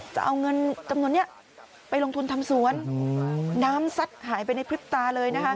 จะเอาเงินจำนวนนี้ไปลงทุนทำสวนน้ำซัดหายไปในพริบตาเลยนะคะ